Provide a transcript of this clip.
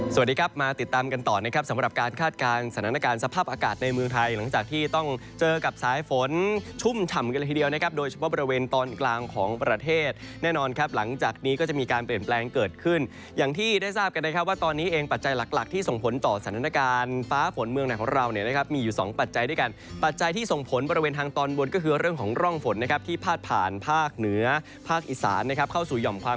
สวัสดีครับมาติดตามกันต่อนะครับสำหรับการคาดการณ์สถานการณ์สภาพอากาศในเมืองไทยหลังจากที่ต้องเจอกับสายฝนชุ่มฉ่ำกันทีเดียวนะครับโดยเฉพาะบริเวณตอนกลางของประเทศแน่นอนครับหลังจากนี้ก็จะมีการเปลี่ยนแปลงเกิดขึ้นอย่างที่ได้ทราบกันนะครับว่าตอนนี้เองปัจจัยหลักที่ส่งผลต่อส